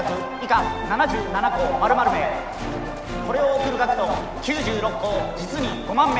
これを送る学徒９６校実に５万名。